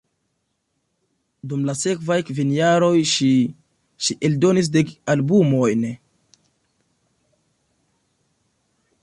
Dum la sekvaj kvin jaroj ŝi ŝi eldonis dek albumojn.